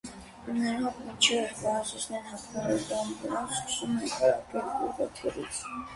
Նրանք մինչև կհասցնեն հագնվել տան վրա սկսում են կրակել ուղղաթիռից։